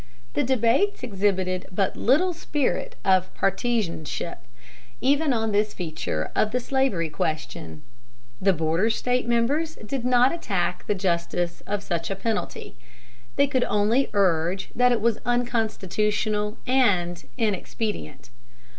The debates exhibited but little spirit of partizanship, even on this feature of the slavery question. The border State members did not attack the justice of such a penalty. They could only urge that it was unconstitutional and inexpedient.